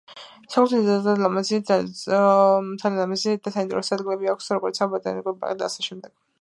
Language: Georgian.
საქართველოს დზალიან ლამაზი და საინტერესო ადგილები აქვს როგორიცაა ბოტანიკური ბაღი და ასე შემდეგ